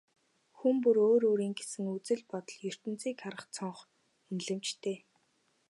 Хүн бүр өөр өөрийн гэсэн үзэл бодол, ертөнцийг харах цонх, үнэлэмжтэй.